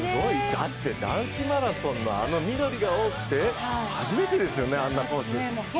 だって、男子マラソンの、あの緑が多くて、初めてですよね。